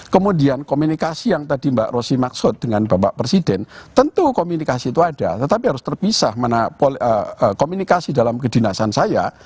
kemudian komunikasi yang tadi mbak rosy maksud dengan bapak presiden tentu komunikasi itu ada tetapi harus terpisah mana komunikasi dalam kedinasan saya